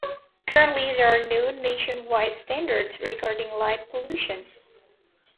Currently, there are no nationwide standards regarding light pollution.